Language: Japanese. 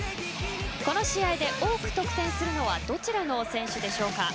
この試合で多く得点するのはどちらの選手でしょうか。